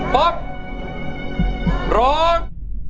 ป๊อบร้อม